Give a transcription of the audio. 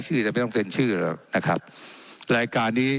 เจ้าหน้าที่ของรัฐมันก็เป็นผู้ใต้มิชชาท่านนมตรี